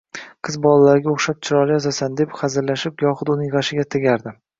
Qiz bolalarga o`xshab chiroyli yozasan, deb xazilashib gohida uning g`ashiga tegardim